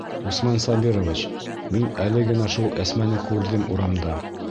Усман Сабирович, мин әле генә шул Әсмәне күрҙем урамда.